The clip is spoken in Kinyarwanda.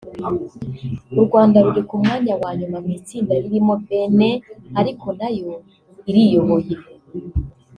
u Rwanda ruri ku mwanya wa nyuma mu itsinda ririmo Benin ari nayo iriyoboye